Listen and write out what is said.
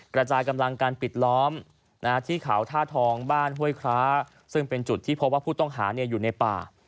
กระจายกำลังการปิดล้อมที่เขาท่าทองบ้านห้วยคล้าซึ่งเป็นจุดที่พบว่าผู้ต้องหาอยู่ในป่า